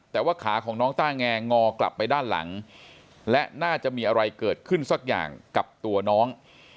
แต่ว่าขาของน้องต้าแงงอกลับไปด้านหลังและน่าจะมีอะไรเกิดขึ้นสักอย่างกับตัวน้อง